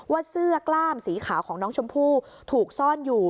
เสื้อกล้ามสีขาวของน้องชมพู่ถูกซ่อนอยู่